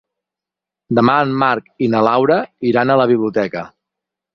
Demà en Marc i na Laura iran a la biblioteca.